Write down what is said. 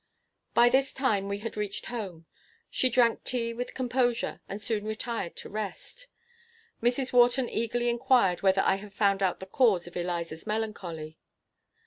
By this time we had reached home. She drank tea with composure, and soon retired to rest. Mrs. Wharton eagerly inquired whether I had found out the cause of Eliza's melancholy.